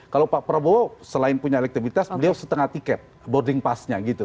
kalau pak prabowo selain punya elektabilitas beliau setengah tiket boarding passnya gitu